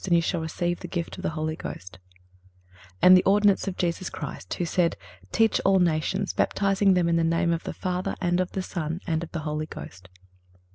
and you shall receive the gift of the Holy Ghost;"(328) and the ordinance of Jesus Christ, who said: "Teach all nations, baptizing them in the name of the Father, and of the Son, and of the Holy Ghost."